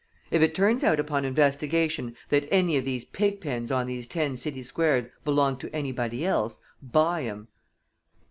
If it turns out upon investigation that any of these pig pens on these ten city squares belong to anybody else, buy 'em."